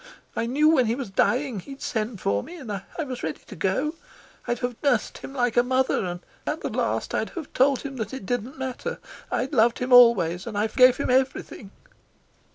I knew when he was dying he'd send for me, and I was ready to go; I'd have nursed him like a mother, and at the last I'd have told him that it didn't matter, I'd loved him always, and I forgave him everything."